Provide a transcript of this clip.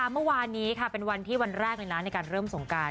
เมื่อวานนี้เป็นวันที่วันแรกในการเริ่มทรงการ